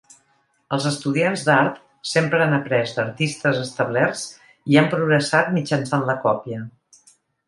Els estudiants d'art sempre han après d'artistes establerts i han progressat mitjançant la còpia.